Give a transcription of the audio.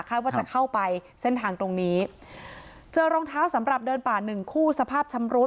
ว่าจะเข้าไปเส้นทางตรงนี้เจอรองเท้าสำหรับเดินป่าหนึ่งคู่สภาพชำรุด